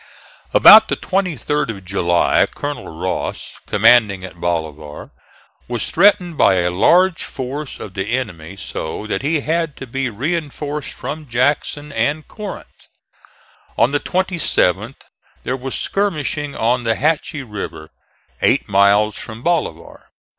About the 23d of July Colonel Ross, commanding at Bolivar, was threatened by a large force of the enemy so that he had to be reinforced from Jackson and Corinth. On the 27th there was skirmishing on the Hatchie River, eight miles from Bolivar.